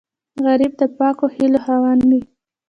غریب د پاکو هیلو خاوند وي